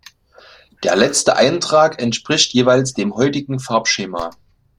Der letzte Eintrag entspricht jeweils dem heutigen Farbschema.